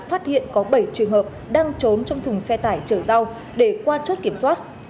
phát hiện có bảy trường hợp đang trốn trong thủng xe tải trở rau để qua chốt kiểm soát